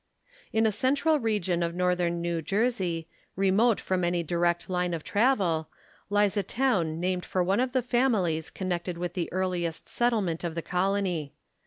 In a central region of northern New Jersey, remote from any direct line of travel, lies a town named for one of the families connected with the earliest settle ment of the colony.